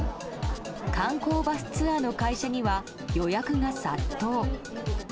観光バスツアーの会社には予約が殺到。